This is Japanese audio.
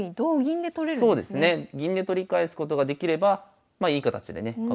銀で取り返すことができればまあいい形でね角